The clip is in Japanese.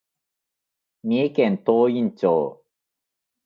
三重県東員町